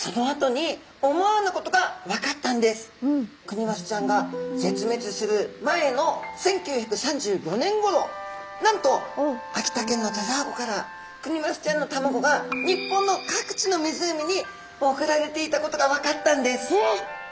クニマスちゃんが絶滅する前の１９３５年ごろなんと秋田県の田沢湖からクニマスちゃんの卵が日本の各地の湖に送られていたことが分かったんです。